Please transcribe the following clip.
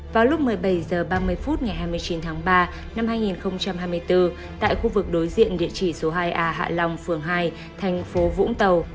vào lúc một mươi bảy h ba mươi phút ngày hai mươi chín tháng ba năm hai nghìn hai mươi bốn tại khu vực đối diện địa chỉ số hai a hạ long phường hai thành phố vũng tàu